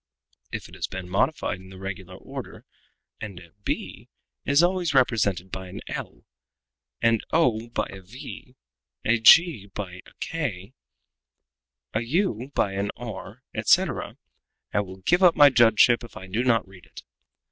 If it has been modified in regular order, and a b is always represented by an l, and o by a v, a g by a k, an u by an r, etc., I will give up my judgeship if I do not read it.